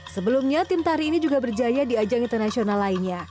sebelumnya tim tari ini juga berjaya di ajang internasional lainnya